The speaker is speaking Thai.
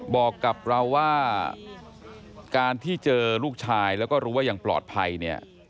บอกกับเราว่าการที่เจอลูกชายแล้วก็รู้ว่ายังปลอดภัยเนี่ย